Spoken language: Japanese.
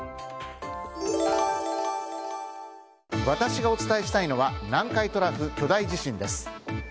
私がお伝えしたいのは南海トラフ巨大地震です。